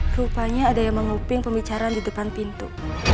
rupanya ada yang menguping pembicaraan di depan pintu